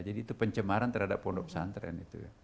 jadi itu pencemaran terhadap pondok pesantren